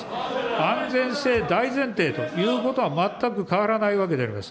安全性大前提ということは、全く変わらないわけであります。